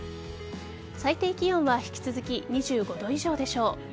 最低気温は引き続き２５度以上でしょう。